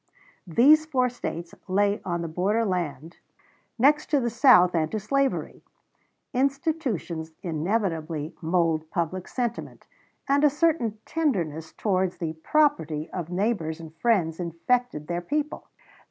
These four States lay on the border land next to the South and to slavery. Institutions inevitably mold public sentiment; and a certain tenderness towards the "property" of neighbors and friends infected their people.